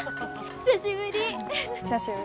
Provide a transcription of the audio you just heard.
久しぶり。